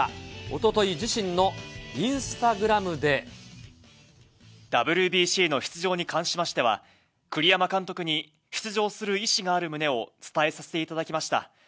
おととい、ＷＢＣの出場に関しましては、栗山監督に、出場する意思がある旨を伝えさせていただきました。